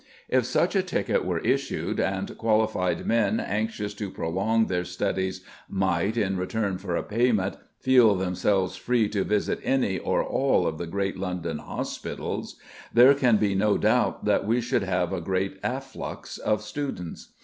If such a ticket were issued, and qualified men anxious to prolong their studies might, in return for a payment, feel themselves free to visit any or all of the great London hospitals, there can be no doubt that we should have a great afflux of students.